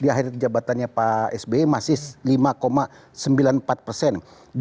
dua ribu empat belas di akhir jabatannya pak sbe masih lima enam persen